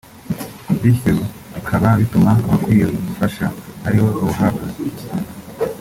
bityo bikaba bituma abakwiye ubufasha aribo babuhabwa